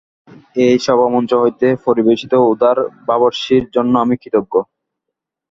এই সভামঞ্চ হইতে পরিবেশিত উদার ভাবরাশির জন্য আমি কৃতজ্ঞ।